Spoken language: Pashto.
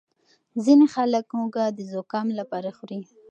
ځینې خلک هوږه د زکام لپاره خوري.